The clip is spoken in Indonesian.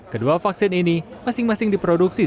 kedua vaksin ini masing masing diproduksi